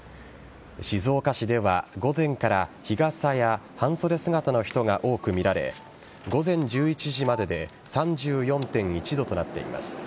静岡市では午前から日傘や半袖姿の人が多く見られ午前１１時までで３４．１度となっています。